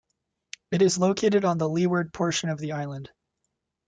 It is located on the leeward portion of the island.